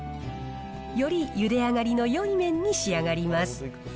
よりゆで上がりのよい麺に仕上がります。